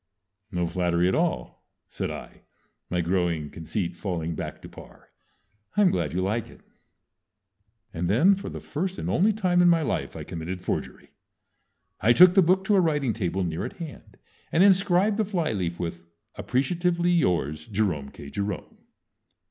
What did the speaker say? "_ "No flattery at all," said I, my growing conceit falling back to par. "I'm glad you like it." And then for the first and only time in my life I committed forgery. I took the book to a writing table near at hand, and inscribed the flyleaf with "Appreciatively yours, Jerome K. Jerome."